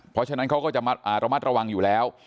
เพราะฉะนั้นเขาก็จะระมัดระวังอยู่แล้ว